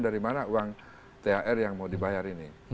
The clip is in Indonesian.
dari mana uang thr yang mau dibayar ini